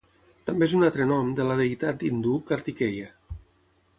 També és un altre nom de la deïtat hindú Kartikeya.